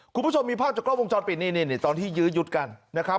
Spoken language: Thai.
คุณผู้ชมมีภาพจากรอบวงจอดปิดตอนที่ยื้อยึดกันนะครับ